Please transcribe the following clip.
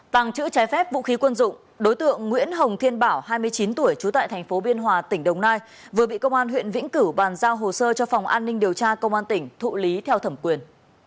tàng trữ trái phép vũ khí quân dụng đối tượng nguyễn hồng thiên bảo hai mươi chín tuổi trú tại thành phố biên hòa tỉnh đồng nai vừa bị công an huyện vĩnh cửu bàn giao hồ sơ cho phòng an ninh điều tra công an tỉnh thụ lý theo thẩm quyền